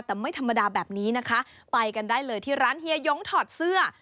แต่ไม่ธรรมดาแบบนี้นะคะไปกันได้เลยที่ร้านเฮียยงถอดเสื้อ